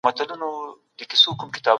د خلګو همکاري په پرمختیا کي ډیره اړینه ده.